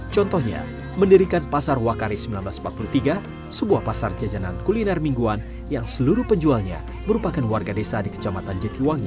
contohnya mendirikan pasar wakari seribu sembilan ratus empat puluh tiga sebuah pasar jajanan kuliner mingguan yang seluruh penjualnya merupakan warga desa di kecamatan jatiwangi